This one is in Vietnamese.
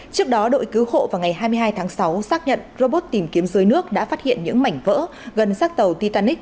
trước đó đội cứu hộ vào ngày hai mươi hai tháng sáu xác nhận robot tìm kiếm dưới nước đã phát hiện những mảnh vỡ gần sát tàu titanic